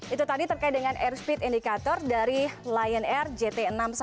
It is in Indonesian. itu tadi terkait dengan airspeed indicator dari lion air jt enam ratus sepuluh